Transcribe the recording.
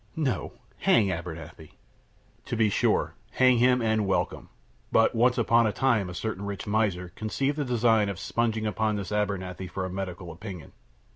"No; hang Abernethy!" "To be sure! Hang him and welcome. But, once upon a time, a certain miser conceived the design of spunging upon this Abernethy for a medical opinion.